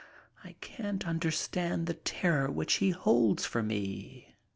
I can't understand the terror which he holds for me.